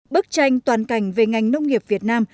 bức tranh toàn cảnh về ngành nông nghiệp việt nam